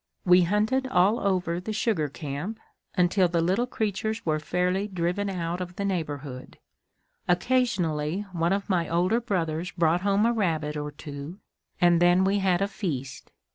We hunted all over the sugar camp, until the little creatures were fairly driven out of the neighborhood. Occasionally one of my older brothers brought home a rabbit or two, and then we had a feast.